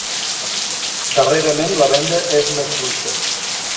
Darrerament la venda és molt fluixa.